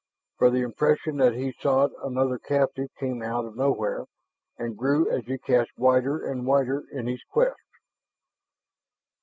For the impression that he sought another captive came out of nowhere and grew as he cast wider and wider in his quest.